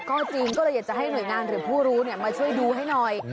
จริงก็เลยอยากจะให้หน่วยงานหรือผู้รู้มาช่วยดูให้หน่อย